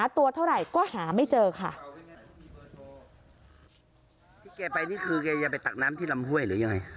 แล้วแกมันไปจุดที่คุกขมบอกเลย